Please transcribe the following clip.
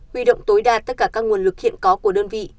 huy động tối đa tất cả các nguồn lực hiện có của đơn vị